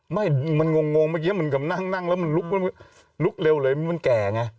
ไม่มันงงเมื่อกี้มันกำลังนั่งแล้วมันลุกเลยมันแก่ไง